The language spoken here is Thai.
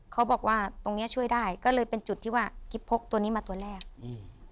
เขาบอกว่าตรงเนี้ยช่วยได้ก็เลยเป็นจุดที่ว่ากิ๊บพกตัวนี้มาตัวแรกอืม